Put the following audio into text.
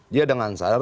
dia dengan sadar